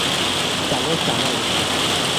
Calucalu.